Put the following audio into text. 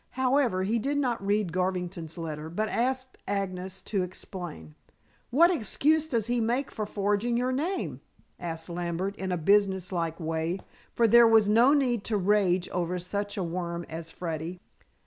However, he did not read Garvington's letter, but asked Agnes to explain. "What excuse does he make for forging your name?" asked Lambert in a business like way, for there was no need to rage over such a worm as Freddy.